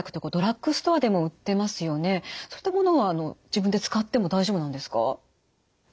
そういったものは自分で使っても大丈夫なんですか？